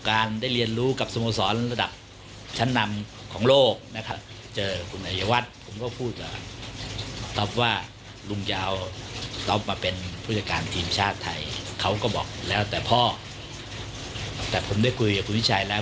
เขาก็บอกแล้วแต่เค้าแต่ผมได้คุยกับคุณวิชัยแล้ว